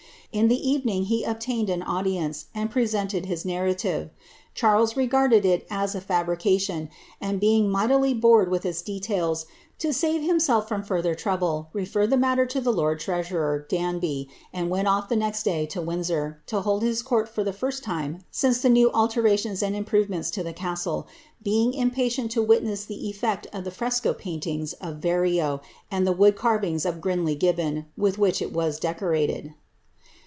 In the even g he obtained an audience, and presented his narrative. Charle garded it as a fabrication, and, being mightily bored with its details, ti :we hiraself from further trouble, referred the matter to the lord treasurei anby, and went off the next day to Windsor,' to hold his court for the •St time since the new alterations and improvements in the castle, being ipatient to witness the efiect of the fresco paintings of Verrio and the ood carvings of Grinling Gibbon, with which it was decorated.